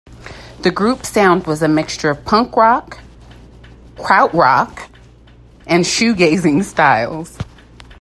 The group's sound was a mixture of punk rock, krautrock and shoegazing styles.